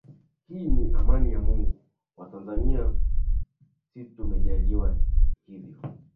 hii ni amani ya mungu watanzania si tumejaliwa hivyo